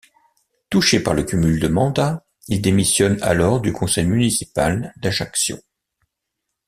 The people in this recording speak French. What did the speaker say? Touché par le cumul de mandats, il démissionne alors du conseil municipal d'Ajaccio.